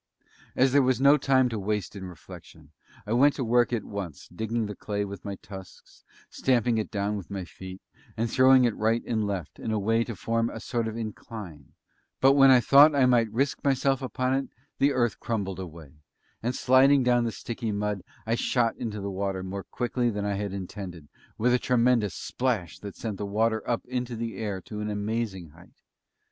And as there was no time to waste in reflection, I went to work at once digging the clay with my tusks, stamping it down with my feet, and throwing it right and left, in a way to form a sort of incline; but when I thought I might risk myself upon it the earth crumbled away, and, sliding down the sticky mud, I shot into the water more quickly than I had intended, with a tremendous splash that sent the water up into the air to an amazing height.